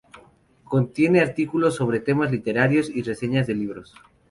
Contiene artículos sobre temas literarios y reseñas de libros.